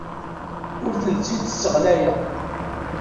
Ur tent-id-sseɣlayeɣ.